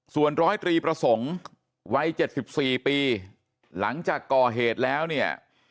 ส่วนร้อยตรีประสงค์วัย๗๔ปีหลังจากก่อเหตุแล้วเนี่ย